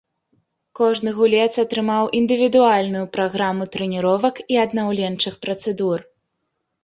Кожны гулец атрымаў індывідуальную праграму трэніровак і аднаўленчых працэдур.